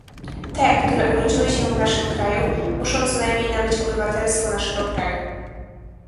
Te które urodziły się w naszym kraju muszą co najmniej nabyć obywatelstwo naszego kraju